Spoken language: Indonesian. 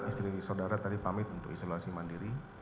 istri saudara tadi pamit untuk isolasi mandiri